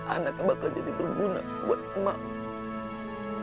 anak yang bakal jadi berguna buat emak